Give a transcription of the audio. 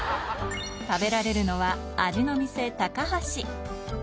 食べられるのは、味の店たかはし。